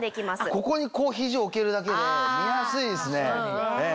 ここに肘置けるだけで見やすいですね。